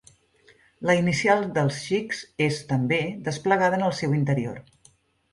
La inicial dels Xics és, també, desplegada en el seu interior.